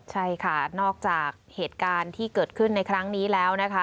ใช่ค่ะนอกจากเหตุการณ์ที่เกิดขึ้นในครั้งนี้แล้วนะคะ